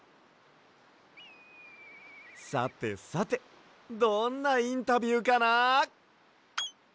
さてさてどんなインタビューかな？